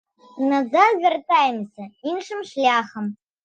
Назад вяртаемся іншым шляхам.